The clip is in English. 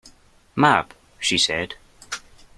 Mab, she said.